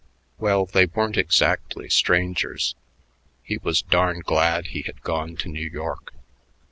Well, they weren't exactly strangers.... He was darn glad he had gone to New York....